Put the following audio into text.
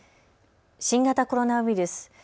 新型コロナウイルス。